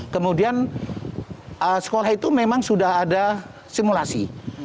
kemudian sekolah itu memang sudah ada simulasi